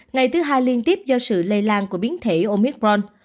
ngày thứ hai liên tiếp do sự lây lan của biến thể omicron